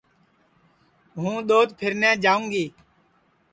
ہوں دؔوت پھیرنے جائوں گی